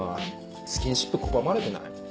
スキンシップ拒まれてない？